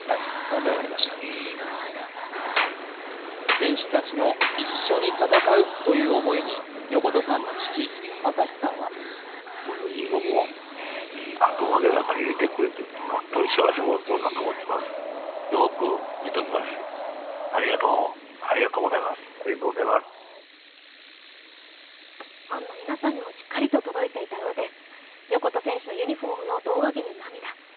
選手たちの、一緒に戦うという思いに横田さんの父・真之さんはファンの皆さんにもしっかり届いていたようです。